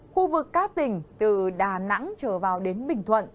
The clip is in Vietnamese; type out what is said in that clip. khu vực các tỉnh từ đà nẵng trở vào đến bình thuận